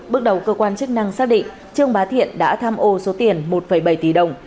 bước đầu cơ quan chức năng xác định trương bá thiện đã tham ô số tiền một bảy tỷ đồng